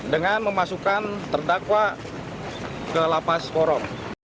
dengan memasukkan tardakwa ke lapas korom